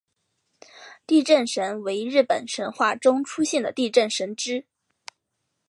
地震神为日本神话中出现的地震神只。